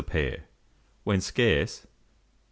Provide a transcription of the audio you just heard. a pair; when scarce, 7s.